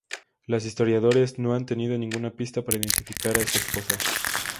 Los historiadores no han tenido ninguna pista para identificar a esta esposa.